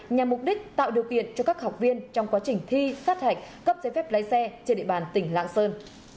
nhằm mục đích tạo điều kiện cho các học viên trong quá trình thi sát hạch cấp giấy phép lái xe trên địa bàn tỉnh lạng sơn